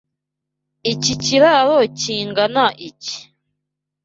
Iki kiraro kingana iki?